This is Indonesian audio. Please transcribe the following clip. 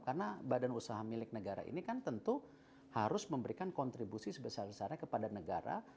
karena badan usaha milik negara ini kan tentu harus memberikan kontribusi sebesar besarnya kepada negara